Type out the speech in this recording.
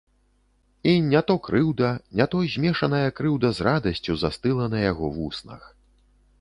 І не то крыўда, не то змешаная крыўда з радасцю застыла на яго вуснах.